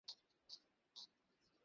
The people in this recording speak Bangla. তিনি জীববিজ্ঞানের প্রতি আগ্রহী হয়ে ওঠেন।